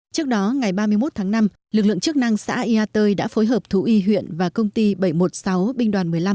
trước đó ngày ba mươi một tháng năm lực lượng chức năng xã ia tơi đã phối hợp thú y huyện và công ty bảy trăm một mươi sáu binh đoàn một mươi năm